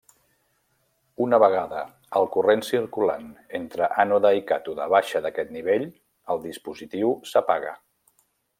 Una vegada el corrent circulant entre ànode i càtode baixa d'aquest nivell el dispositiu s'apaga.